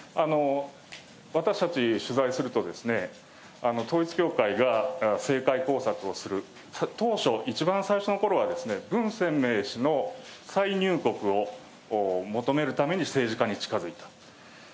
私たち取材すると、統一教会が政界工作をする、当初、一番最初のころは、文鮮明氏の再入国を求めるために政治家に近づいた。